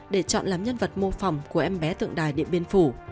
để chọn làm nhân vật mô phỏng của em bé tượng đài địa biên phủ